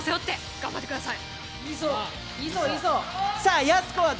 頑張ってください。